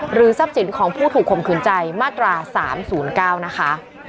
ทรัพย์สินของผู้ถูกข่มขืนใจมาตรา๓๐๙นะคะ